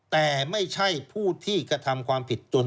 แต่ไม่ใช่ผู้ที่กระทำความผิดจน